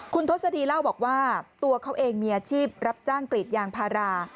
คุณทศดีเล่าบอกว่าตัวเขาเองมีอาชีพรับจ้างกรีดยางพารา